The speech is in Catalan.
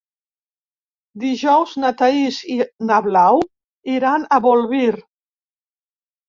Dijous na Thaís i na Blau iran a Bolvir.